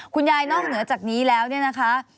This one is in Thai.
นอกเหนือจากนี้แล้วเนี่ยนะคะ